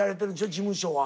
事務所は。